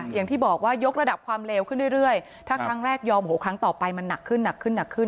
อย่างที่บอกว่ายกระดับความเลวขึ้นเรื่อยถ้าครั้งแรกยอมโหครั้งต่อไปมันหนักขึ้นหนักขึ้นหนักขึ้น